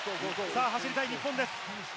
さぁ走りたい日本です。